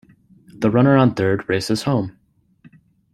The runner on third races home.